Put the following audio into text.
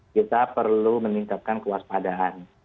kita perlu meningkatkan kewaspadaan